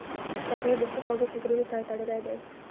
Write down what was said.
چاکلېټ د ښو خوږو فکرونو سره تړلی دی.